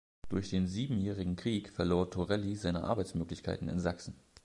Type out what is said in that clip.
Durch den Siebenjährigen Krieg verlor Torelli seine Arbeitsmöglichkeiten in Sachsen.